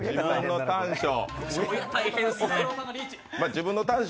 自分の短所。